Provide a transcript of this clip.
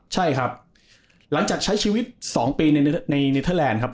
ใช่ครับหลังจากใช้ชีวิต๒ปีในเนเทอร์แลนด์ครับ